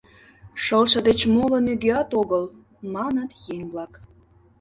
Шылше деч моло нигӧат огыл, — маныт еҥ-влак.